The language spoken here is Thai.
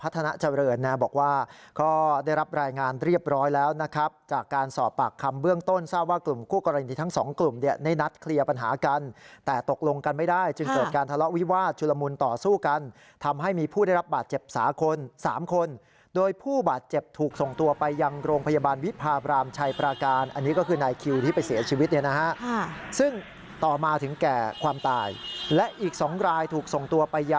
ทั้งสองกลุ่มเนี่ยในนัดเคลียร์ปัญหากันแต่ตกลงกันไม่ได้จนเกิดการทะเลาะวิวาดชุลมุนต่อสู้กันทำให้มีผู้ได้รับบาดเจ็บ๓คนโดยผู้บาดเจ็บถูกส่งตัวไปยังโรงพยาบาลวิทธิ์ภาพรามชัยประการอันนี้ก็คือนายคิวที่ไปเสียชีวิตเนี่ยนะฮะซึ่งต่อมาถึงแก่ความตายและอีกสองรายถูกส่งต